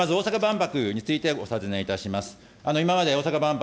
まず大阪万博についてお尋ね申し上げます。